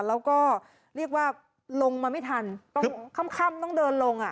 แล้วก็เรียกว่าลงมาไม่ทันต้องค่ำต้องเดินลงอ่ะ